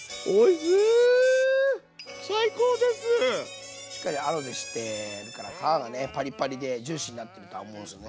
しっかりアロゼしてるから皮がねパリパリでジューシーになってるとは思うんすよね。